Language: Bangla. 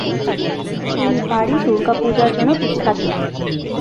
এই বাড়ি "দুর্গা পূজা"র জন্য বিখ্যাত।